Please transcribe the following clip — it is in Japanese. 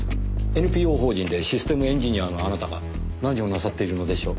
ＮＰＯ法人でシステムエンジニアのあなたが何をなさっているのでしょう？